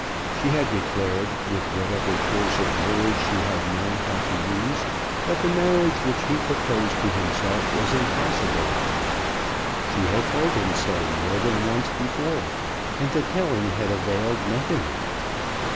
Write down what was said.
She had declared, with whatever force of words she had known how to use, that the marriage which he proposed to himself was impossible. She had told him so more than once before, and the telling had availed nothing.